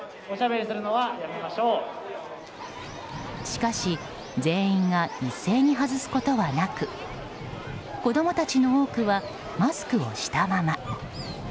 しかし全員が一斉に外すことはなく子供たちの多くはマスクをしたまま。